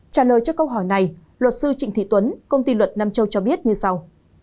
trả lời cho câu hỏi này luật sư trịnh thị tuấn công ty luật nam châu cho biết như sau